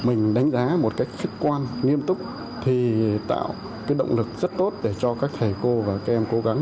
mình đánh giá một cách khách quan nghiêm túc thì tạo cái động lực rất tốt để cho các thầy cô và các em cố gắng